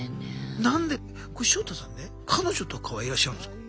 これショウタさんね彼女とかはいらっしゃるんですか？